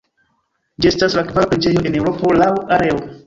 Ĝi estas la kvara preĝejo en Eŭropo laŭ areo.